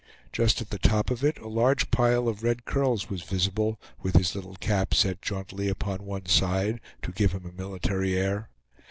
Just at the top of it a large pile of red curls was visible, with his little cap set jauntily upon one side, to give him a military air.